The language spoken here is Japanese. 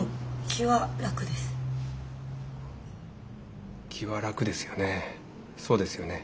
気は楽ですよね